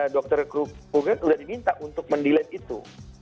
dr kruger sudah diminta untuk mendelete itu